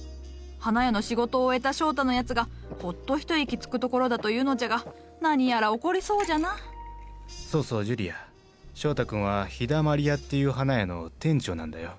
花屋の仕事を終えた翔太のやつがほっと一息つくところだというのじゃが何やら起こりそうじゃなそうそう樹里亜翔太君は陽だまり屋っていう花屋の店長なんだよ。